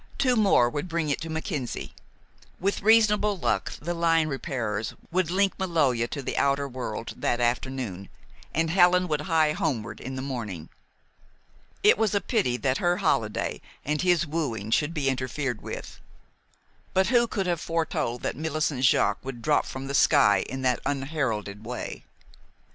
Two more would bring it to Mackenzie. With reasonable luck, the line repairers would link Maloja to the outer world that afternoon, and Helen would hie homeward in the morning. It was a pity that her holiday and his wooing should be interfered with; but who could have foretold that Millicent Jaques would drop from the sky in that unheralded way?